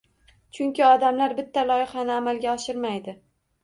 Chunki odamlar bitta loyihani amalga oshirmaydi